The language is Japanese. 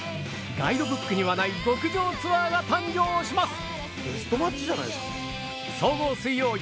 ガイドブックにはない極上ツアーが誕生します。